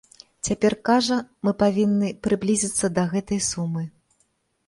Цяпер кажа, мы павінны прыблізіцца да гэтай сумы.